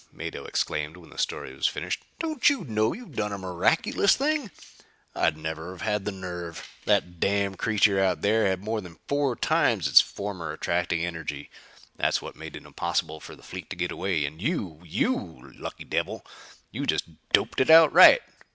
Mado exclaimed when the story was finished. "Don't you know you've done a miraculous thing? I'd never have had the nerve. That damn creature out there had more than four times its former attracting energy. That's what made it impossible for the fleet to get away. And you you lucky devil you just doped it out right.